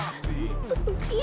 kamu sudah kembali ke dunia